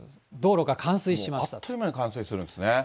あっという間に冠水するんですね。